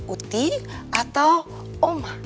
uti atau oma